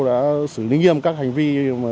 đã xử lý nghiêm các hành vi